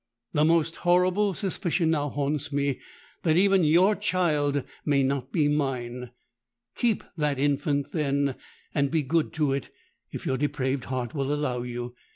The most horrible suspicion now haunts me that even your child may not be mine. Keep that infant, then; and be good to it, if your depraved heart will allow you.